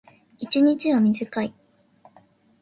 一日は短い。